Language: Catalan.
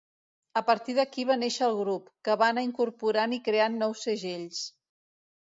A partir d'aquí va néixer el grup, que va anar incorporant i creant nous segells.